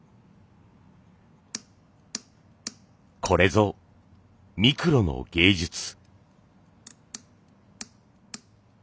これぞミクロの芸術！